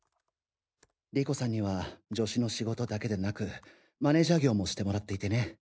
理子さんには助手の仕事だけでなくマネージャー業もしてもらっていてね。